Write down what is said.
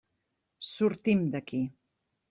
Sortim d'aquí.